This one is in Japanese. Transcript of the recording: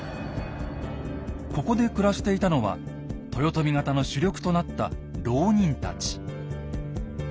ここで暮らしていたのは豊臣方の主力となった牢人たち。